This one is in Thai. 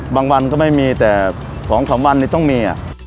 บางวันก็ไม่มีแต่๒๓วันนี้ต้องมี